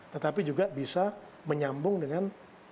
tetapi juga bisa menyambung dengan